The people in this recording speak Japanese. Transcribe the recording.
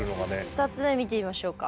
２つ目見てみましょうか。